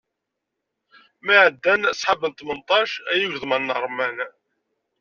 Mi ɛeddan sḥab n tmenṭac, ay igeḍman n remman.